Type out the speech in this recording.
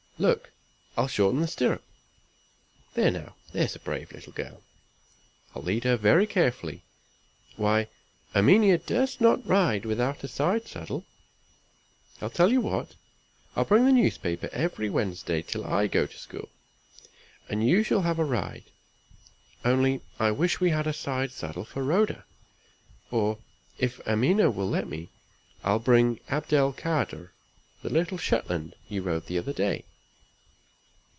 Look! I'll shorten the stirrup. There now; there's a brave little girl! I'll lead her very carefully. Why, Erminia durst not ride without a side saddle! I'll tell you what; I'll bring the newspaper every Wednesday till I go to school, and you shall have a ride. Only I wish we had a side saddle for Rhoda. Or, if Erminia will let me, I'll bring Abdel Kadr, the little Shetland you rode the other day."